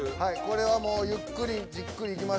これはもうゆっくりじっくりいきましたんで。